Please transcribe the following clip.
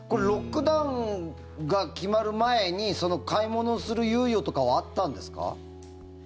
ロックダウンが決まる前に買い物する猶予とかはあったんですか？